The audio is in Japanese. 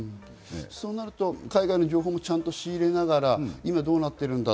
そうなると海外の情報も仕入れながら、どうなっているんだ。